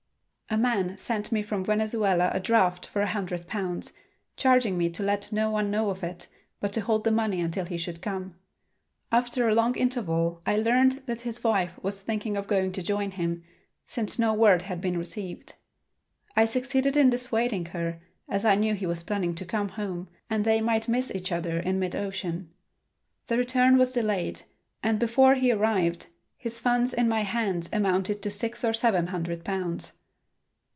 A man sent me from Venezuela a draft for a hundred pounds, charging me to let no one know of it, but to hold the money until he should come. After a long interval I learned that his wife was thinking of going to join him, since no word had been received. I succeeded in dissuading her, as I knew he was planning to come home and they might miss each other in mid ocean. The return was delayed, and before he arrived his funds in my hands amounted to six or seven hundred pounds.